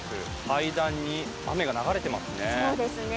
階段に雨が流れていますね。